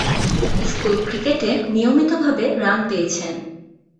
School ক্রিকেটে নিয়মিতভাবে run পেয়েছেন।